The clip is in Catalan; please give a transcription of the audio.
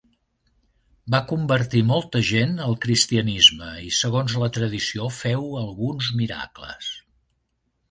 Va convertir molta gent al cristianisme i segons la tradició féu alguns miracles.